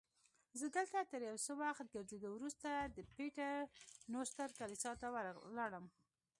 زه دلته تر یو څه وخت ګرځېدو وروسته د پیټر نوسټر کلیسا ته ولاړم.